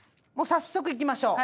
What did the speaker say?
早速いきましょう。